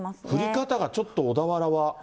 降り方がちょっと小田原は。